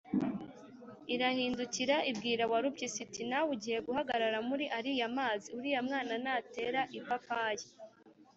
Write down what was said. “irahindukira ibwira warupyisi iti: “nawe ugiye guhagarara muri ariya mazi, uriya mwana natera ipapayi